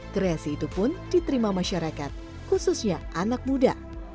kreasi itu pun diterima masyarakat khususnya anak muda